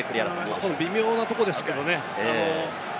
微妙なところですけどね。